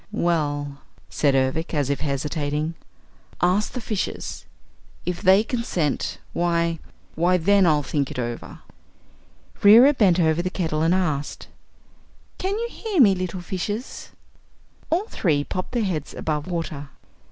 "Well," said Ervic, as if hesitating, "ask the fishes. If they consent, why why, then, I'll think it over." Reera bent over the kettle and asked: "Can you hear me, little fishes?" All three popped their heads above water.